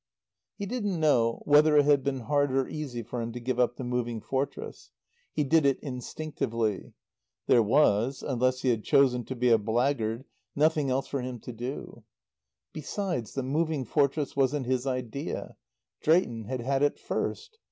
He didn't know whether it had been hard or easy for him to give up the Moving Fortress. He did it instinctively. There was unless he had chosen to be a blackguard nothing else for him to do. Besides, the Moving Fortress wasn't his idea. Drayton had had it first.